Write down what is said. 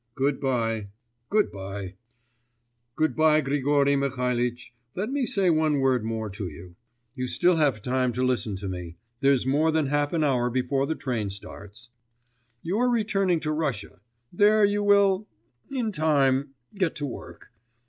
Good bye.... Good bye!' 'Good bye, Grigory Mihalitch.... Let me say one word more to you. You still have time to listen to me; there's more than half an hour before the train starts. You are returning to Russia.... There you will ... in time ... get to work....